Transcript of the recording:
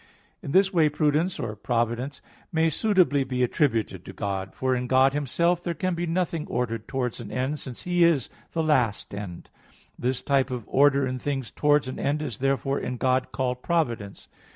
In this way prudence or providence may suitably be attributed to God. For in God Himself there can be nothing ordered towards an end, since He is the last end. This type of order in things towards an end is therefore in God called providence.